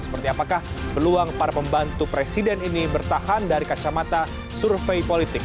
seperti apakah peluang para pembantu presiden ini bertahan dari kacamata survei politik